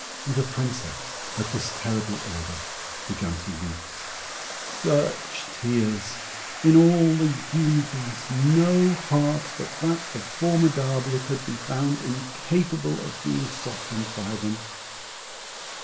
The Princess, at this terrible order, began to weep. Such tears! In all the universe no heart but that of Formidable could be found incapable of being softened by them.